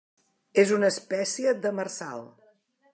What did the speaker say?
És una espècie demersal.